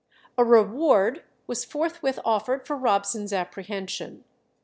A reward was forthwith offered for Robson's apprehension.